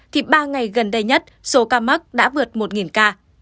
thì ba ngày gần đây nhất số ca mắc đã vượt một ca